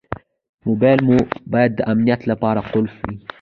موبایل مو باید د امنیت لپاره قلف وي.